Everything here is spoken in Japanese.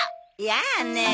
やあねえ。